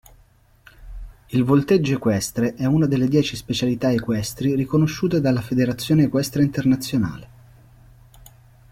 Il volteggio equestre è una delle dieci specialità equestri riconosciute dalla Federazione Equestre Internazionale.